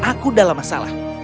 aku dalam masalah